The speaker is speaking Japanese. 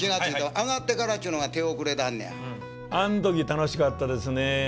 あん時楽しかったですねぇ。